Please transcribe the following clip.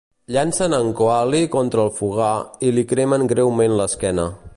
Llancen en Coaly contra el fogar i li cremen greument l'esquena.